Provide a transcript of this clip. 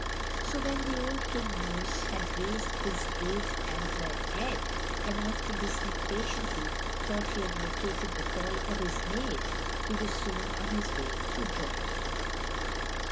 So when the old King Moose had raised his great antlered head, and after listening patiently, thought he had located the call of his mate, he was soon on his way to join her.